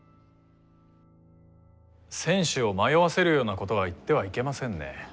選手を迷わせるようなことは言ってはいけませんね。